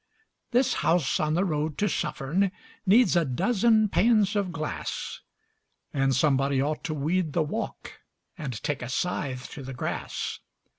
This house on the road to Suffern needs a dozen panes of glass, And somebody ought to weed the walk and take a scythe to the grass.